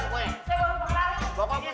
gua gak mau bayar